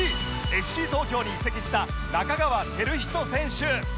ＦＣ 東京に移籍した仲川輝人選手